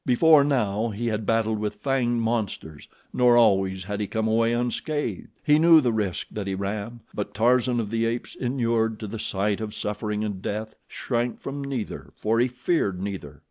Before now he had battled with fanged monsters, nor always had he come away unscathed. He knew the risk that he ran, but Tarzan of the Apes, inured to the sight of suffering and death, shrank from neither, for he feared neither.